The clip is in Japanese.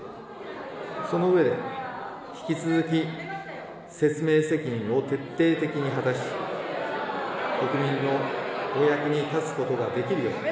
その上で、引き続き、説明責任を徹底的に果たし、国民のお役に立つことができるように。